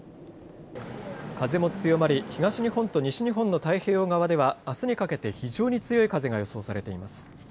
風も強まり東日本と西日本の太平洋側ではあすにかけて非常に強い風が予想されています。